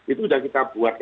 itu sudah kita buat